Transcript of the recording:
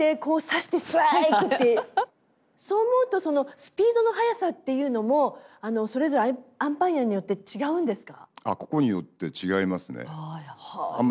そう思うとスピードの速さっていうのもそれぞれアンパイアによって違うんですか？